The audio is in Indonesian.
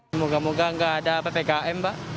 semoga moga nggak ada ppkm pak